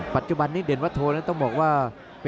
ปัจจุบันนี้เด่นวัฒโธนั้นต้องบอกว่า